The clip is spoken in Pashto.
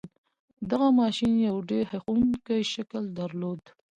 دغه ماشين يو ډېر هیښوونکی شکل درلود.